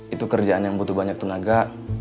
itu kerjaan yang butuh banyak tenaga